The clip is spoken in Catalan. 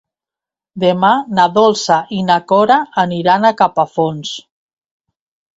Demà na Dolça i na Cora aniran a Capafonts.